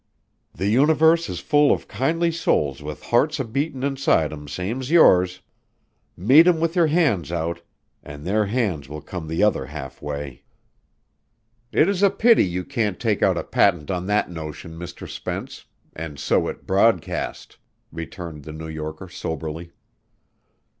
"The universe is full of kindly souls with hearts a beatin' inside 'em same's yours. Meet 'em with your hands out, an' their hands will come the other halfway." "It is a pity you can't take out a patent on that notion, Mr. Spence, and sow it broadcast," returned the New Yorker soberly.